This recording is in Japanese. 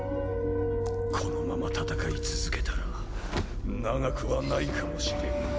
このまま戦い続けたら長くはないかもしれん。